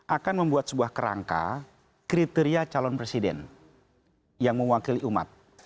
akan membuat sebuah kerangka kriteria calon presiden yang mewakili umat